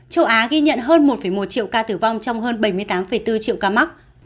châu á ghi nhận hơn một một triệu ca tử vong trong hơn bảy mươi tám bốn triệu ca mắc